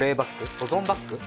保存バッグ？